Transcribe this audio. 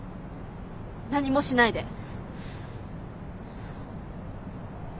何もしないで。